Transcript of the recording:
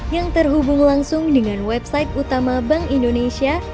yang terhubung langsung dengan website utama bank indonesia